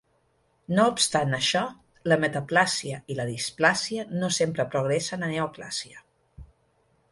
No obstant això, la metaplàsia i la displàsia no sempre progressen a neoplàsia.